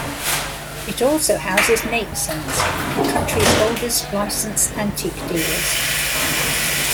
It also houses Natesans, the country's oldest licensed antique dealers.